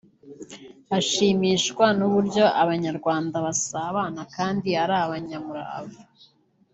ashimishwa n’uburyo Abanyarwanda basabana kandi ari abanyamurava